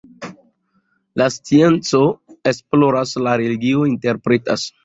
La scienco esploras, la religio interpretas.